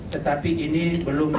tetapi memiliki ktp indonesia